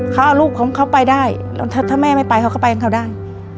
เขาเอาลูกของเขาไปได้ถ้าแม่ไม่ไปเขาก็ไปของเขาได้